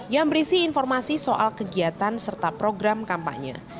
yang berisi informasi soal kegiatan serta program kampanye